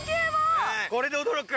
ええこれで驚く？